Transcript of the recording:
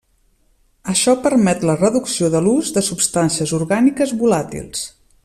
Això permet la reducció de l'ús de substàncies orgàniques volàtils.